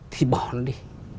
thì bỏ nó đi